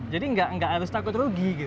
jadi nggak harus takut rugi gitu